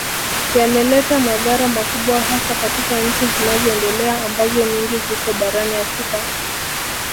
Yameleta madhara makubwa hasa katika nchi zinazoendelea ambazo nyingi ziko barani Afrika